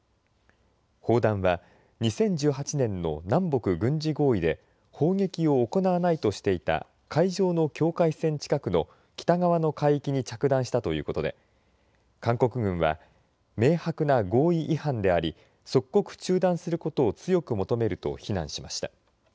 砲弾は２０１８年の南北軍事合意で砲撃を行わないとしていた海上の境界線近くの北側の海域に着弾したということで韓国軍は明白な合意違反であり即刻中断することを強く求めると非難しました。